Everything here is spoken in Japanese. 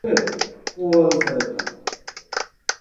好きと好きは簡単には足し算にはならなかったね。